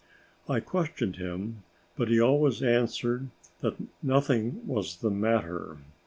I questioned him, but he always answered that nothing was the matter.